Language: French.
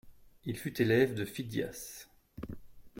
Il fut élève de Phidias.